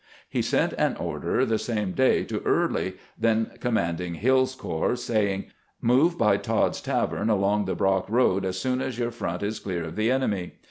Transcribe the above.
He sent an order the same day to Early, then commanding Hill's corps, saying: " Move by Todd's tavern along the Brock road as soon as your front is clear of the enemy."